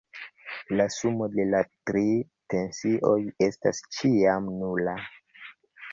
La sumo de la tri tensioj estas ĉiam nula.